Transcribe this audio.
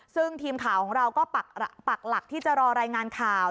ซึ่งทีมข่าวของเราก็ปักหลักที่จะรอรายงานข่าว